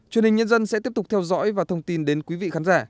truyền hình nhân dân sẽ tiếp tục theo dõi và thông tin đến quý vị khán giả